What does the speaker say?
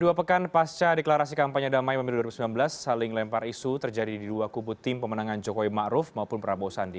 dua pekan pasca deklarasi kampanye damai pemilu dua ribu sembilan belas saling lempar isu terjadi di dua kubu tim pemenangan jokowi ⁇ maruf ⁇ maupun prabowo sandi